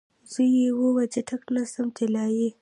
زوی یې وویل چټک نه سمه تللای